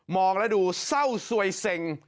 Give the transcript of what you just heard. แล้วดูเศร้าสวยเซ็ง